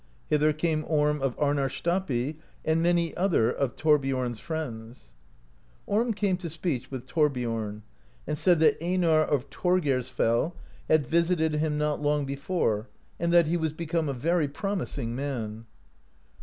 Hither came Orm of Amarstapi, and many other of Thorbiom's friends. Orm came to speech with Thorbiorn, and said that Einar of Thorgeirsfell had visited him not long be fore, and that he was become a very promising man.